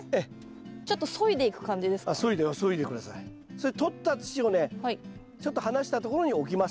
それ取った土をねちょっと離したところに置きます。